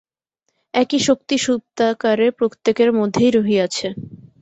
একই শক্তি সুপ্তাকারে প্রত্যেকের মধ্যেই রহিয়াছে।